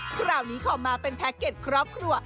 คราวนี้ขอมาเป็นแพ็กเก็ตครอบครัว